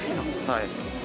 はい！